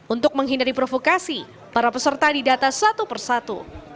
untuk menghindari provokasi para peserta didata satu persatu